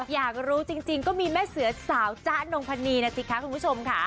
อยากรู้จริงก็มีแม่เสือสาวจ๊ะนงพนีนะสิคะคุณผู้ชมค่ะ